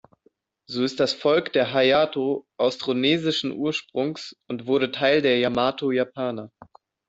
So ist das Volk der Hayato austronesischen Ursprungs und wurde Teil der Yamato-Japaner.